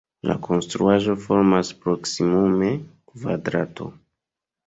La konstruaĵo formas proksimume kvadrato.